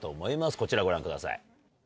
こちらをご覧ください。